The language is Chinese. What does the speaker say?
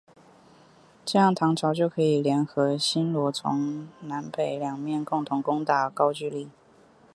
这样唐朝就可以联合新罗从南北两面共同攻打高句丽。